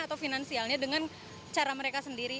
atau finansialnya dengan cara mereka sendiri